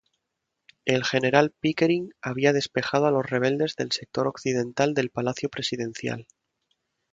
El General Pickering había despejado a los rebeldes del sector occidental del palacio presidencial.